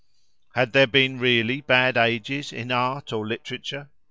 Had there been really bad ages in art or literature?